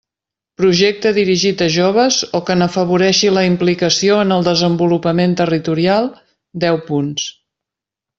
Projecte dirigit a joves o que n'afavoreixi la implicació en el desenvolupament territorial, deu punts.